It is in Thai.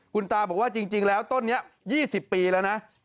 คุณตาบอกว่าจริงแล้วต้นนี้๒๐ปีแล้วนะ